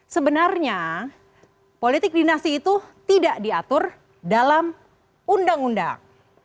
sebenarnya politik dinasti itu tidak diatur dalam undang undang